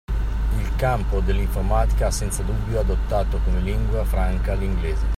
Il campo dell’informatica ha senza dubbio adottato come lingua franca l’inglese.